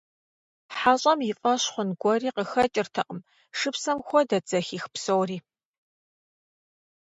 ХьэщӀэм и фӀэщ хъун гуэри къыхэкӀыртэкъым, шыпсэм хуэдэт зэхих псори.